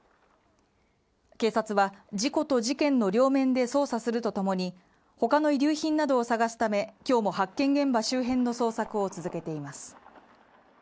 警察は事故と事件の両面で捜査するとともにほかの遺留品などを探すため今日も発見現場周辺の捜索を続けています